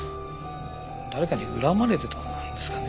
誰かに恨まれてたんですかね？